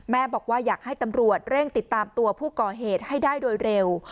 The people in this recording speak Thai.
บอกว่าอยากให้ตำรวจเร่งติดตามตัวผู้ก่อเหตุให้ได้โดยเร็ว